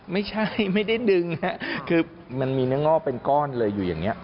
ไม่ใช่ไม่ได้ดึงนะคือมันมีเนื้องอกเป็นก้อนเลยอยู่อย่างนี้